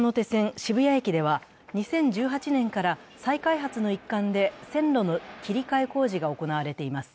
渋谷駅では、２０１８年から再開発の一環で線路の切り替え工事が行われています。